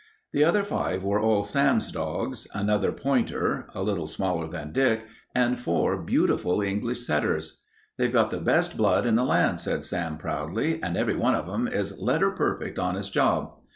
The other five were all Sam's dogs, another pointer, a little smaller than Dick, and four beautiful English setters. "They've got the best blood in the land," said Sam, proudly, "and every one of 'em is letter perfect on his job.